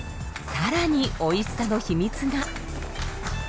更においしさの秘密が。